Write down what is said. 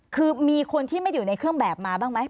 คือมีคนที่ไม่อยู่ในเครื่องแบบมาบ้างไหม